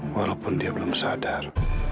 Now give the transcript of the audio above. walaupun dia belum sadar